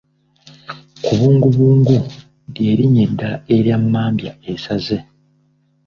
Kubungubungu ly'erinnya eddala erya mmambya esaze.